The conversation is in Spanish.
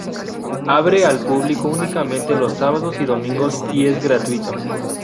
Abre al público únicamente los sábados y domingos y es gratuito.